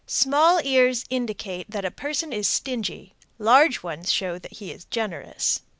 Small ears indicate that a person is stingy. Large ones show that he is generous.